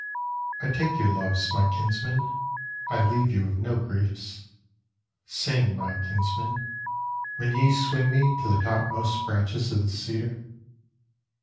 I take your loves, my kinsmen,I leave with you no griefs! Sing, my kinsmen, when ye swing meTo the topmost branches of the cedar.